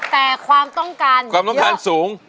แต่ความต้องการความต้องการสูง